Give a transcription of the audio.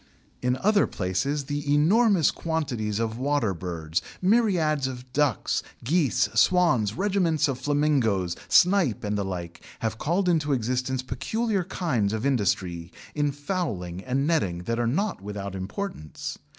In other places the enormous quantities of water birds, myriads of ducks, geese, swans, regiments of flamingoes, snipe, and the like, have called into existence peculiar kinds of industry in fowling and netting that are not without importance.